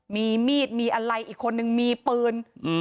มีมีดมีอะไรอีกคนนึงมีปืน